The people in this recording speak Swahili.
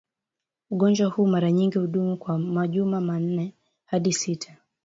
Ugonjwa huu mara nyingi hudumu kwa majuma manne hadi sita